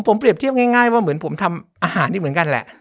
ผมเปรียบเทียบง่ายว่าเหมือนผมทำอาหารนี่เหมือนกันแหละ